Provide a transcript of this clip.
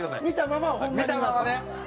見たままね。